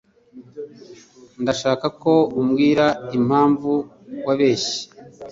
Ndashaka ko umbwira impamvu wabeshye.